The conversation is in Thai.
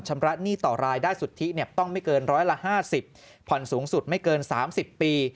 ชำระหนี้ต่อรายได้สุทธิต้องไม่เกินร้อยละ๕๐ผ่อนสูงสุดไม่เกิน๓๐ปี